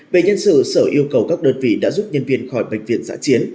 về nhân sự sở yêu cầu các đơn vị đã giúp nhân viên khỏi bệnh viện giã chiến